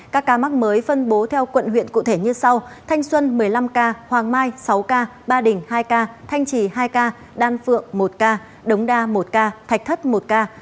các ca mắc mới phân bố theo quận huyện cụ thể như sau thanh xuân một mươi năm ca hoàng mai sáu ca ba đình hai ca thanh trì hai ca đan phượng một ca đống đa một ca thạch thất một ca